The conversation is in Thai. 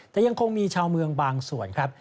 แต่ยังคงมีชาวเมืองบางส่วนครับ